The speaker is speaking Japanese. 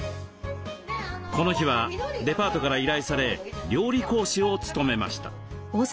この日はデパートから依頼され料理講師を務めました。